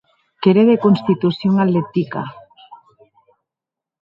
Qu'ère de constitucion atletica.